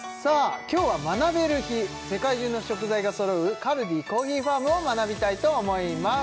今日は学べる日世界中の食材が揃うカルディコーヒーファームを学びたいと思います